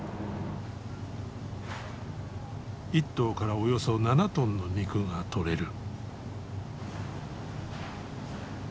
１頭からおよそ７トンの肉が取れる。